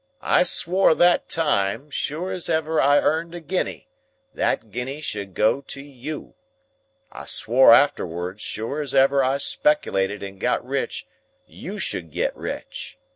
I swore that time, sure as ever I earned a guinea, that guinea should go to you. I swore arterwards, sure as ever I spec'lated and got rich, you should get rich.